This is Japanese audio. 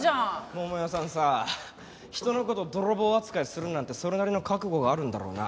桃代さんさあ人の事泥棒扱いするなんてそれなりの覚悟があるんだろうな。